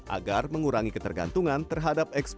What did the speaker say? agar mengurangi ketergantungan terhadap ekspor